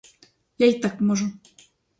Я й так можу.